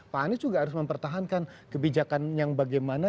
pak anies juga harus mempertahankan kebijakan yang bagaimana